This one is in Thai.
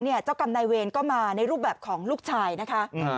เจ้ากรรมนายเวรก็มาในรูปแบบของลูกชายนะคะ